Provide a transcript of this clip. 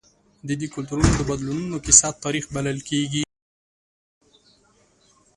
د دې کلتورونو د بدلونونو کیسه تاریخ بلل کېږي.